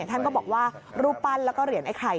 ท่านก็บอกว่ารูปปั้นแล้วก็เหรียญไอ้ไข่